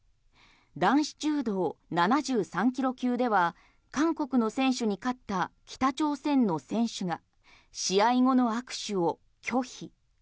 男子柔道７３ｋｇ級では韓国の選手に勝った北朝鮮の選手が試合後の握手を拒否。